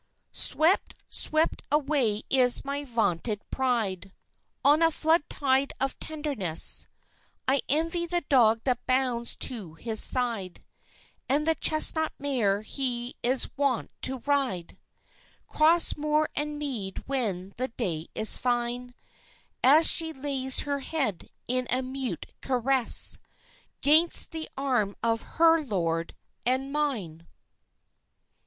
Swept, swept away is my vaunted pride On a flood tide of tenderness; I envy the dog that bounds to his side, And the chestnut mare he is wont to ride 'Cross moor and mead when the day is fine, As she lays her head in a mute caress 'Gainst the arm of her lord and _mine!